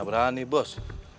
gak berani bos